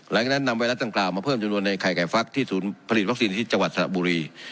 นำไวรัสดังกล่าวมาเพิ่มจำนวนในไข่ไก่ฟักที่ศูนย์ผลิตวัคซีนที่จังหวัดสระบุรี